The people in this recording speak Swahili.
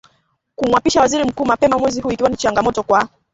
kumwapisha Waziri Mkuu mapema mwezi huu ikiwa ni changamoto kwa